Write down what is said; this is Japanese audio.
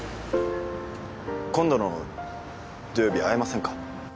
今度の土曜日会えませんか？